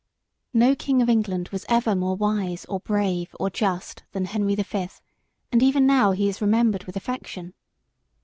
No king of England was ever more wise or brave or just than Henry the Fifth; and even now he is remembered with affection.